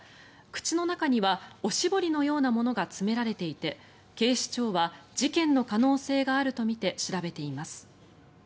口の中にはおしぼりのようなものが詰められていて警視庁は事件の可能性があるとみて調べています。